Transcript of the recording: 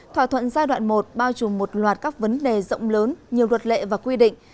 thỏa thuận giai đoạn một bao trùm một loạt các vấn đề rộng lớn nhiều luật lệ và quy định